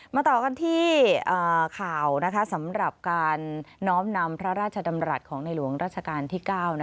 ต่อกันที่ข่าวสำหรับการน้อมนำพระราชดำรัฐของในหลวงราชการที่๙